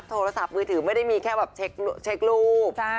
โทรศัพท์มือถือไม่ได้มีแค่แบบเช็ครูป